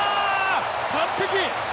完璧！